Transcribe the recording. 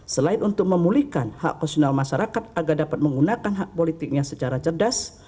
selain untuk memulihkan hak konstitusional masyarakat agar dapat menggunakan hak politiknya secara cerdas